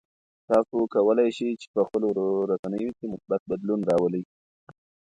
تاسو کولای شئ چې په خپلو رسنیو کې مثبت بدلون راولئ.